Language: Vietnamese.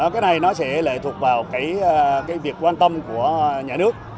cái này nó sẽ lệ thuộc vào cái việc quan tâm của nhà nước